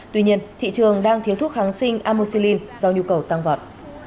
tuy nhiên thị trường đang thiếu thuốc kháng sinh amosylin do nhu cầu tăng vọt